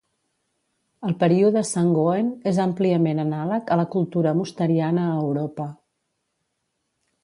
El període sangoen és àmpliament anàleg a la cultura mosteriana a Europa.